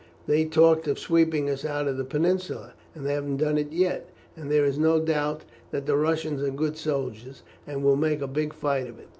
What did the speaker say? They talked of sweeping us out of the Peninsula, and they haven't done it yet; and there is no doubt that the Russians are good soldiers, and will make a big fight of it.